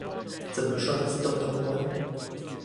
怎麼刷自動通關